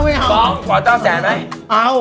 เอาเอาสิเปล่าไม่เอาไม่เอา